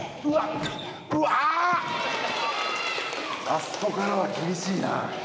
あそこからは厳しいな。